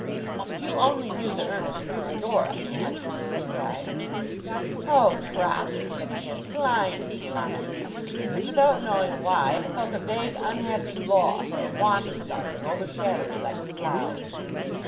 'If you only knew the earnestness of Dora, aunt!' I cried. 'Oh, Trot!' she said again; 'blind, blind!' and without knowing why, I felt a vague unhappy loss or want of something overshadow me like a cloud.